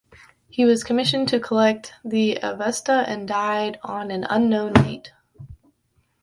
He was commissioned to collect the Avesta and died on an unknown date.